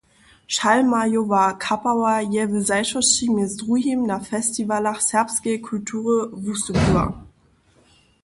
Šalmajowa kapała je w zašłosći mjez druhim na festiwalach serbskeje kultury wustupiła.